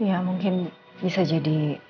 ya mungkin bisa jadi